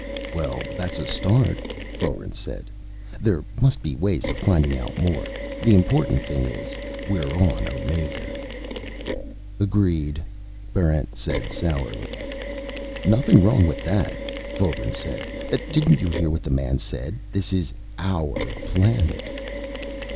"Well, that's a start," Foeren said. "There must be ways of finding out more. The important thing is, we're on Omega." "Agreed," Barrent said sourly. "Nothing wrong with that," Foeren said. "Didn't you hear what the man said? This is our planet!"